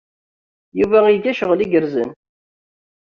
Yuba iga cɣel igerrzen.